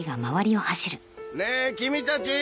ねえ君たち！